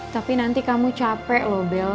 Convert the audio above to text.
tapi nanti kamu capek loh bel